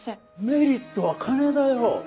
メリットは金だよ！